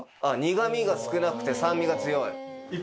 苦味が少なくて酸味が強い。